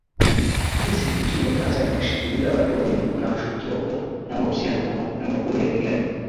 isi nchini ufarasa inawashikilia watu wawili wanaoshukiwa kuwa na mahusiano na makundi ya kigaidi